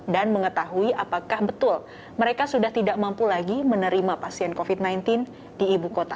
dan mengetahui apakah betul mereka sudah tidak mampu lagi menerima pasien covid sembilan belas di ibu kota